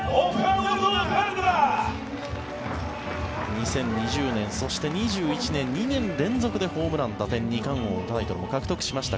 ２０２０年、そして２１年２年連続でホームラン打点、２冠王でタイトルを獲得しました